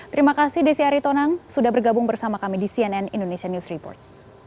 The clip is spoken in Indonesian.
terima kasih desi aritonang sudah bergabung bersama kami di cnn indonesia news report